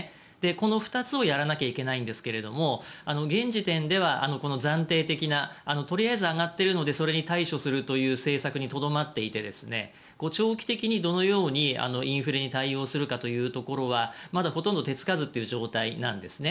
この２つをやらなきゃいけないんですが現時点では暫定的なとりあえず上がっているのでそれに対処するという政策にとどまっていて長期的にどのようにインフレに対応するかというところはまだほとんど手つかずという状態なんですね。